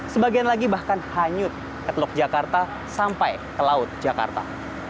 sebagian lagi bahkan hanyut ke teluk jakarta sampai ke laut jakarta